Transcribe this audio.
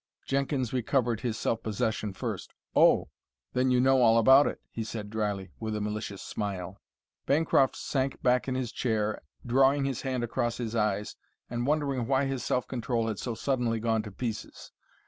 Jenkins recovered his self possession first. "Oh; then you know all about it!" he said dryly, with a malicious smile. Bancroft sank back in his chair drawing his hand across his eyes and wondering why his self control had so suddenly gone to pieces.